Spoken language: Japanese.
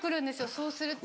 そうすると。